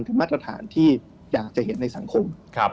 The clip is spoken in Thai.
มาตรฐานที่อยากจะเห็นในสังคม